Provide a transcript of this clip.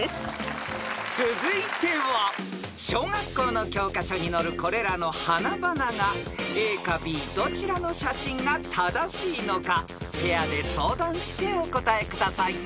［続いては小学校の教科書に載るこれらの花々がＡかＢどちらの写真が正しいのかペアで相談してお答えください］